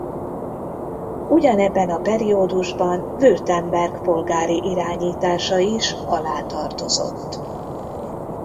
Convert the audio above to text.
Ugyanebben a periódusban Württemberg polgári irányítása is alá tartozott.